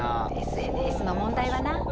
ＳＮＳの問題はな。